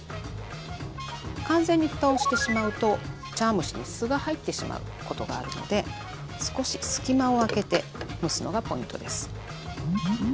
完全にふたをしてしまうと茶碗蒸しのすが入ってしまうことがあるので少し隙間を開けて蒸すのがポイントです。